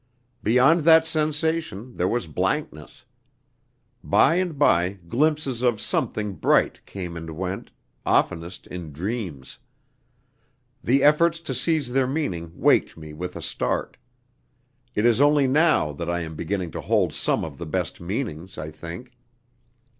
Beyond that sensation, there was blankness. By and by glimpses of something bright came and went, oftenest in dreams. The effort to seize their meaning waked me with a start. It is only now that I am beginning to hold some of the best meanings, I think.